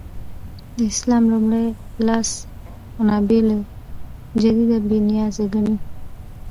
د اسلام لومړي لاس منابع له تجدیده بې نیازه ګڼي.